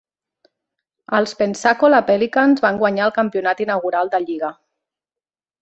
Els Pensacola Pelicans van guanyar el campionat inaugural de lliga.